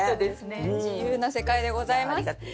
自由な世界でございます。